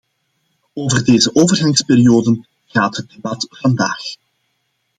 Over deze overgangsperioden gaat het debat vandaag.